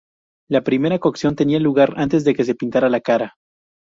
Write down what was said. La primera cocción tenía lugar antes de que se pintara la cara.